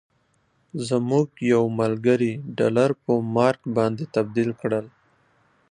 زموږ یو ملګري ډالر په مارک باندې تبدیل کړل.